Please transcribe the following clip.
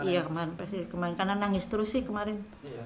iya pasca presiden karena nangis terus sih kemarin